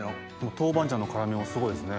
豆板醤の辛みもすごいですね。